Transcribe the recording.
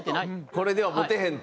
これではモテへんと。